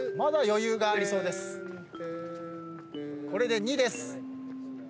これで２です。